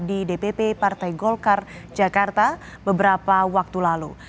di dpp partai golkar jakarta beberapa waktu lalu